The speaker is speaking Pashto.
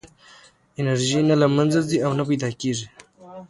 انرژي نه له منځه ځي او نه پیدا کېږي.